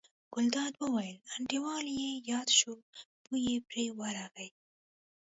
ګلداد وویل: انډیوال یې یاد شو، بوی یې پرې ورغی.